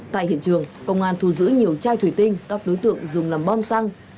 tại hiện trường công an thu giữ nhiều chai thủy tinh các đối tượng dùng làm bom xăng